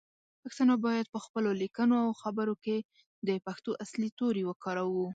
پښتانه باید پخپلو لیکنو او خبرو کې د پښتو اصلی تورې وکاروو.